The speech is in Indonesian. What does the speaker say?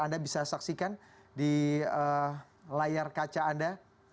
anda bisa saksikan di layar kaca anda